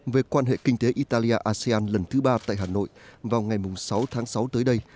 về quan hệ kinh tế italia asean lần thứ ba tại hà nội vào ngày sáu tháng sáu tới đây